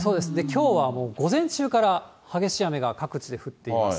きょうはもう午前中から、激しい雨が各地で降っています。